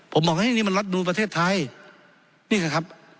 ผมบอกให้นี่มันรัฐนุนประเทศไทยนี่ค่ะครับ